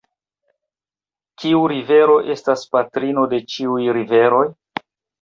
Kiu rivero estas patrino de ĉiuj riveroj?